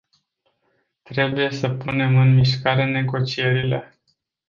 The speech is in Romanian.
Trebuie să punem în mișcare negocierile.